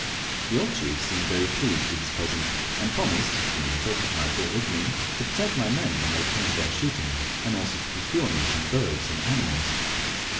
The old chief seemed much pleased with his present, and promised (through an interpreter I brought with me) to protect my men when they came there shooting, and also to procure me some birds and animals.